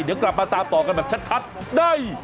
เดี๋ยวกลับมาตามต่อกันแบบชัดได้